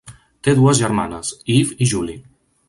Té dues germanes, Eve i Julie.